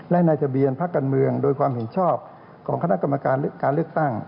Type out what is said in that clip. และในทะเบียนพักการเมืองโดยความเห็นชอบของคณะกรรมการการเลือกตั้ง